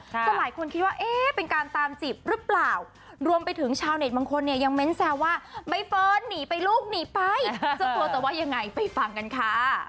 ก็หลายคนคิดว่าเอ๊ะเป็นการตามจีบหรือเปล่ารวมไปถึงชาวเน็ตบางคนเนี่ยยังเน้นแซวว่าใบเฟิร์นหนีไปลูกหนีไปเจ้าตัวจะว่ายังไงไปฟังกันค่ะ